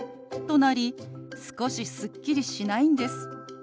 なり少しすっきりしないんです。